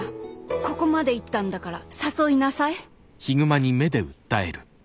ここまで言ったんだから誘いなさい。